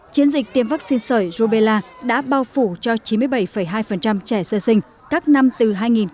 chiến dịch tiêm vaccine sởi rubella đã bao phủ cho chín mươi bảy hai trẻ sơ sinh các năm từ hai nghìn một mươi bốn hai nghìn một mươi bảy